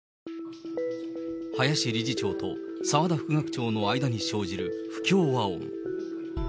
林理事長と澤田副学長の間に生じる不協和音。